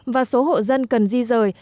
và số hộ dân cần di rời